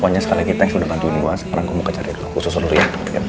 pokoknya sekali lagi thanks udah bantuin gue sekarang gue mau ke cemburung ya